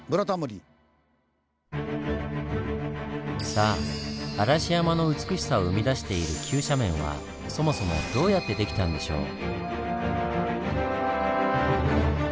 さあ嵐山の美しさを生み出している急斜面はそもそもどうやってできたんでしょう？